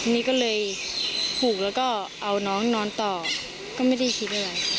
นี่ก็เลยผูกแล้วก็เอาน้องนอนต่อก็ไม่ได้คิดอะไร